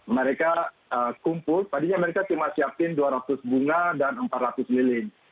mereka kumpul tadinya mereka cuma siapin dua ratus bunga dan empat ratus lilin